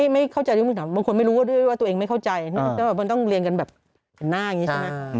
ไม่เข้าใจบางคนไม่รู้ด้วยว่าตัวเองไม่เข้าใจมันต้องเรียนกันแบบเห็นหน้าอย่างนี้ใช่ไหม